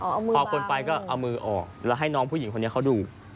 พอคนไปก็เอามือออกแล้วให้น้องผู้หญิงคนนี้เขาดู